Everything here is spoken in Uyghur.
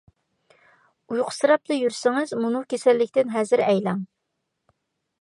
ئۇيقۇسىراپلا يۈرسىڭىز مۇنۇ كېسەللىكتىن ھەزەر ئەيلەڭ.